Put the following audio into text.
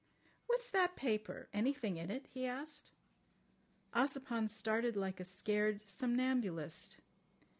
"What's that paper? Anything in it?" he asked. Ossipon started like a scared somnambulist.